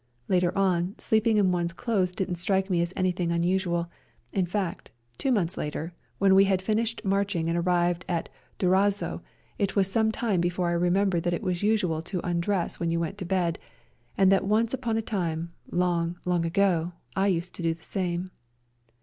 Later on, sleeping in one's clothes didn't strike me as anything un usual ; in fact, two months later, when we had finished marching and arrived at Durazzo, it was some time before I remembered that it was usual to undress when you went to bed, and that once upon a time, long, long ago, I used to do the same.